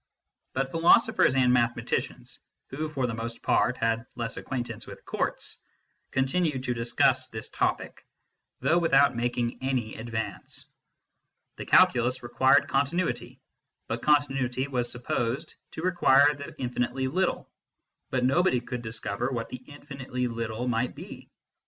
But philosophers and mathematicians who for the most part had less acquaintance with courts continued to discuss this topic, though without making any advance. The Calculus required continuity, and continuity was supposed to require the infinitely little ; but nobody could discover what the infinitely little might be.